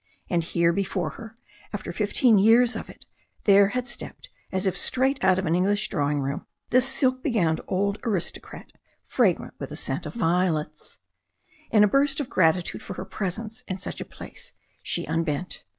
And here before her, after fifteen years of it, there had stepped, as if straight out of an English drawing room, this silk begowned old aristocrat, fragrant with the scent of violets. In a burst of gratitude for her presence in such a place she unbent.